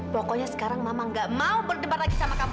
pokoknya sekarang mama enggak mau berdebar lagi sama kamu